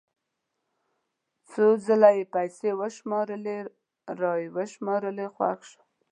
څو ځله یې پیسې وشمارلې را یې وشماره خوښ شو.